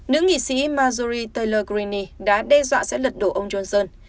nữ nghị sĩ marjorie taylor greeney đã đe dọa sẽ lật đổ ông johnson